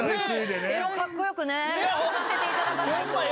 エロカッコ良くね育てていただかないと。